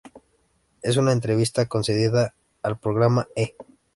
En una entrevista concedida al programa "E!